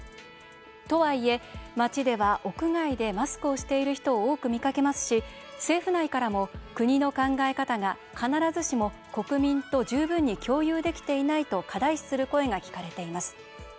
とはいえ、街では屋外でマスクをしている人を多く見かけますし政府内からも、国の考え方が必ずしも国民と十分に共有できていないと課題視する声が聞かれています。